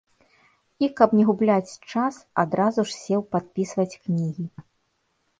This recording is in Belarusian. І, каб не губляць час, адразу ж сеў падпісваць кнігі.